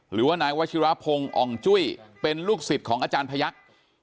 หรือว่านายวัชิรพงศ์อ่องจุ้ยเป็นลูกศิษย์ของอาจารย์พยักษ์